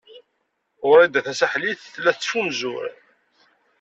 Wrida Tasaḥlit tella tettfunzur.